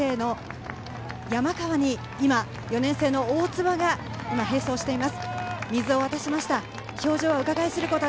駒澤大学１年生の山川に今、４年生の大坪が並走しています。